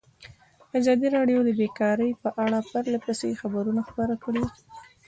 ازادي راډیو د بیکاري په اړه پرله پسې خبرونه خپاره کړي.